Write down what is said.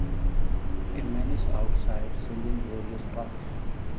A man is outside selling various toys.